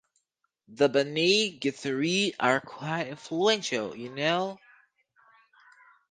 The Bene Gesserit are quite influential, you know.